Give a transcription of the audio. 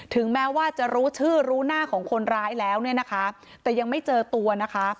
ถึงแม้ว่าจะรู้ชื่อรู้หน้าของคนร้ายแล้วเนี่ยนะคะแต่ยังไม่เจอตัวนะคะ